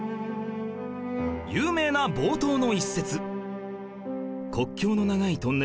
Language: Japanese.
有名な冒頭の一節